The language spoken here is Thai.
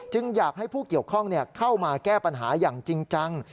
อยากให้ผู้เกี่ยวข้องเข้ามาแก้ปัญหาอย่างจริงจัง